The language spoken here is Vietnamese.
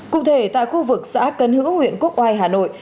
cụ thể tại khu vực xã cần hữu huyện quốc oai hà nội